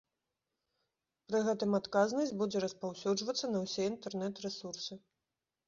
Пры гэтым адказнасць будзе распаўсюджвацца на ўсе інтэрнэт-рэсурсы.